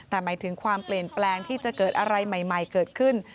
แต่หมายถึงความเปลี่ยนแปลงที่จะเกิดอะไรใหม่เกิดขึ้น